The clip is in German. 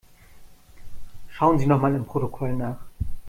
Schauen Sie nochmal im Protokoll nach.